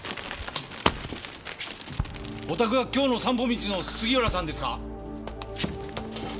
おたくが「京の散歩道」の杉浦さんですか？